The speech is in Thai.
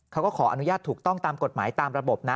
เขาก็ขออนุญาตถูกต้องตามกฎหมายตามระบบนะ